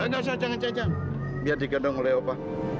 jangan jangan biar digedong oleh opa